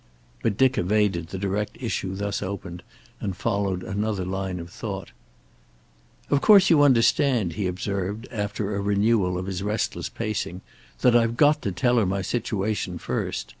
But Dick evaded the direct issue thus opened and followed another line of thought. "Of course you understand," he observed, after a renewal of his restless pacing, "that I've got to tell her my situation first.